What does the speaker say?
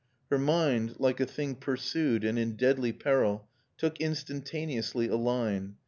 Her mind, like a thing pursued and in deadly peril, took instantaneously a line.